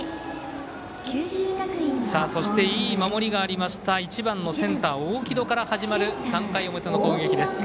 そして、いい守りがありましたセンター、大城戸から始まる３回の表の攻撃です。